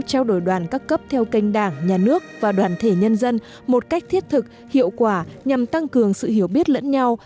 trao đổi đoàn các cấp theo kênh đảng nhà nước và đoàn thể nhân dân một cách thiết thực hiệu quả nhằm tăng cường sự hiểu biết lẫn nhau